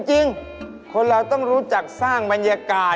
จริงคนเราต้องรู้จักสร้างบรรยากาศ